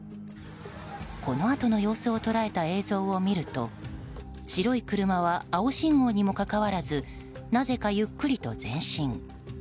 このあとの様子を捉えた映像を見ると白い車は青信号にもかかわらずなぜがゆっくりと前進。